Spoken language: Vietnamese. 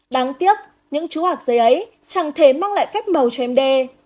đáng tiếc những chú hạc giấy ấy chẳng thể mong lại phép màu cho md